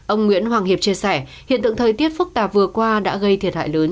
ông nguyễn hoàng hiệp chia sẻ hiện tượng thời tiết phức tạp vừa qua đã gây thiệt hại lớn